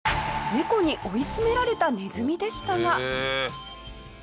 猫に追い詰められたネズミでしたが。